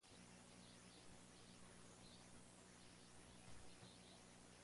Esto resultó en su suspensión del Colegio de Abogados por tres meses.